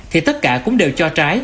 thì tất cả cũng đều cho trái